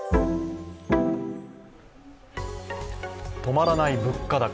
止まらない物価高。